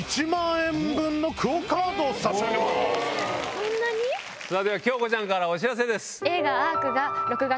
そんなに⁉京子ちゃんからお知らせです。